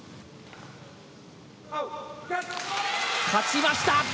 勝ちました！